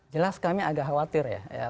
jelas kami agak khawatir ya